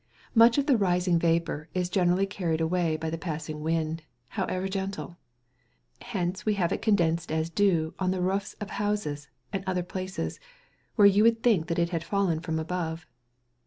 Much of the rising vapour is generally carried away by the passing wind, however gentle; hence we have it condensed as dew on the roofs of houses, and other places, where you would think that it had fallen from above.